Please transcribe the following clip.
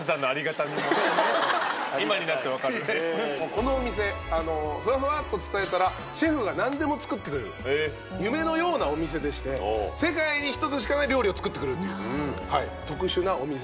このお店ふわふわっと伝えたらシェフが何でも作ってくれる夢のようなお店でして世界に１つしかない料理を作ってくれるという特殊なお店でございます。